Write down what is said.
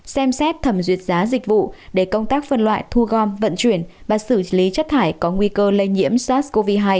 xem xét thẩm duyệt giá dịch vụ để công tác phân loại thu gom vận chuyển và xử lý chất thải có nguy cơ lây nhiễm sars cov hai